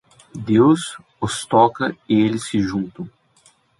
Deus os toca e eles se juntam.